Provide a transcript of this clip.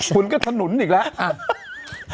คุณก็ถนนอีกแล้ว